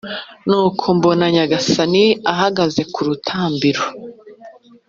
nuko mbona nyagasani ahagaze ku rutambiro